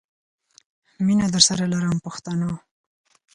مینه درسره لرم پښتنو.